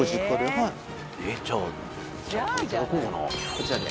こちらで。